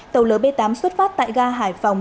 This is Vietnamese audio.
tàu lp tám xuất phát tại ga hải phòng